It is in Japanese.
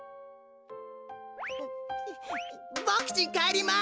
ボクちんかえります！